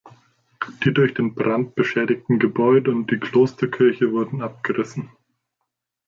Die durch den Brand beschädigten Gebäude und die Klosterkirche wurden abgerissen.